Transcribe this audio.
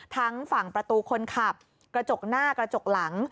ทั้งฝั่งประตูคนขับกระจกหน้ากระจกหลัง